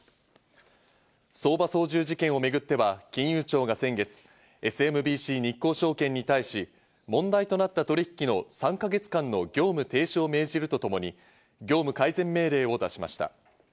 相場操縦事件をめぐっては、金融庁が先月、ＳＭＢＣ日興証券に対し、問題となった取引の３か月間の業務停止を命じるとともに、業務改善命令を出しました。